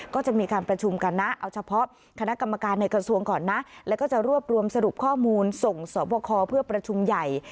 ก่อนนะแล้วก็จะรวบรวมสรุปข้อมูลส่งสวบคอเพื่อประชุมใหญ่